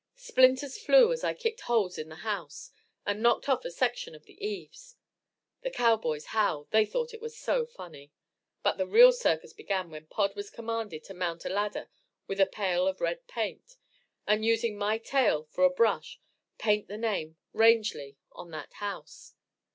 Splinters flew as I kicked holes in the house, and knocked off a section of the eaves. The cowboys howled, they thought it so funny. But the real circus began when Pod was commanded to mount a ladder with a pail of red paint, and using my tail for a brush, paint the name "R A N G E L Y" on that house.